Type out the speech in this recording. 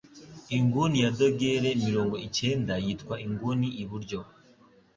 Inguni ya dogere mirongo icyenda yitwa inguni iburyo